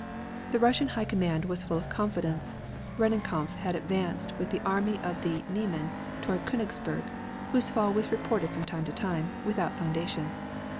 The Russian High Command was full of confidence. Rennenkampf had advanced with the Army of the Niemen toward Koenigsberg, whose fall was reported from time to time, without foundation.